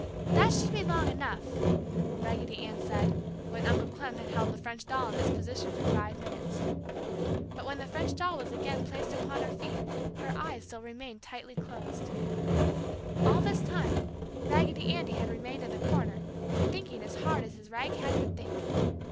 "That should be long enough!" Raggedy Ann said, when Uncle Clem had held the French doll in this position for five minutes. But when the French doll was again placed upon her feet her eyes still remained tightly closed. All this time, Raggedy Andy had remained in the corner, thinking as hard as his rag head would think.